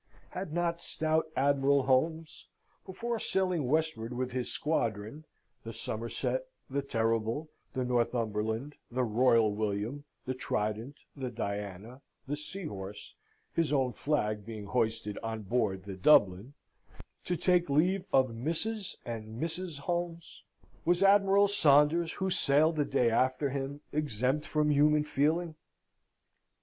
Had not stout Admiral Holmes, before sailing westward with his squadron, The Somerset, The Terrible, The Northumberland, The Royal William, The Trident, The Diana, The Seahorse his own flag being hoisted on board The Dublin to take leave of Mrs. and the Misses Holmes? Was Admiral Saunders, who sailed the day after him, exempt from human feeling?